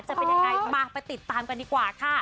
จะเป็นยังไงมาไปติดตามกันดีกว่าค่ะ